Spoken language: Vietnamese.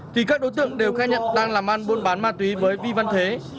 thì các đối tượng đều khai nhận đang làm ăn buôn bán ma túy với vi văn thế